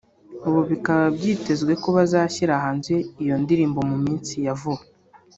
ubu bikaba byitezwe ko bazashyira hanze iyo ndirimbo mu minsi ya vuba